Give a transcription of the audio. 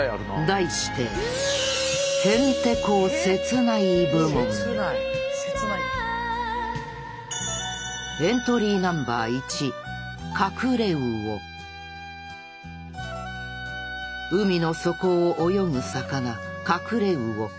題して海の底を泳ぐ魚カクレウオ。